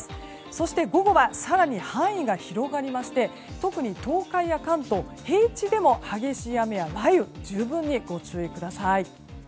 そして午後は更に範囲が広がりまして特に東海や関東、平地でも激しい雨や雷雨に十分にご注意ください。